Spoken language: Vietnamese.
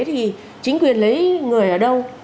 thì chính quyền lấy người ở đâu